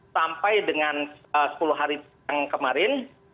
sampai dengan sepuluh hari yang kemarin